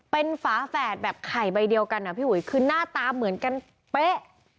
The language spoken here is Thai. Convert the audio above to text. เป็นฝาแฝดแบบไข่ใบเดียวกันอ่ะพี่อุ๋ยคือหน้าตาเหมือนกันเป๊ะ